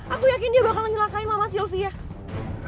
aku yakin dia bakal menyelakai mama sylvia